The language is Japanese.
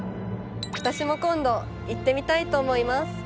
私も今度行ってみたいと思います。